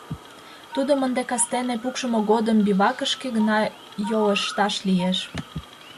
— Тудым ынде кастене пукшымо годым бивакыште гына йолышташ лиеш».